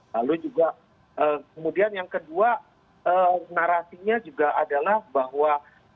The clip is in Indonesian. lalu juga kemudian yang kedua narasinya juga adalah bahwa